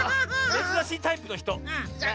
めずらしいタイプのひと。